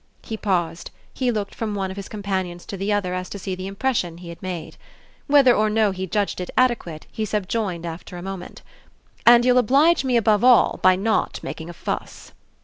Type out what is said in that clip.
He paused, he looked from one of his companions to the other as to see the impression he had made. Whether or no he judged it adequate he subjoined after a moment: "And you'll oblige me above all by not making a fuss."